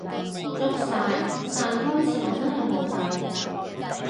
足晒，但推遲我真係無計